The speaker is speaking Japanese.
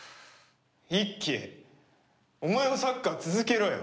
一輝お前はサッカー続けろよ。